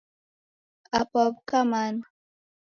Apa waw'uka mana?